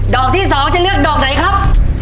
ที่๒จะเลือกดอกไหนครับ